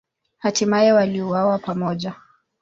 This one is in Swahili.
Hatimaye waliuawa pamoja.